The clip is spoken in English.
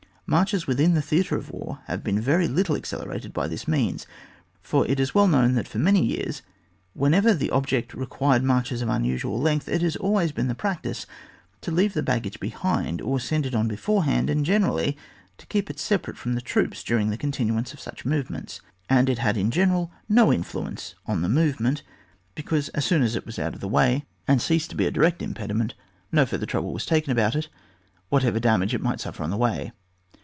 Marches within the theatre of war have been very little accelerated by this means, for it is well known that for many years whenever the object required marches of unusual length it has always been the practice to leave the baggage behind or send it on beforehand, and, generally, to keep it separate from the troops during the continuance of such movements, and it had in general no influence on the movement, because as soon as it was out of the way, and ceased to be a direct impediment, no further trouble was taken about it, whatever damage it might suffer in that way.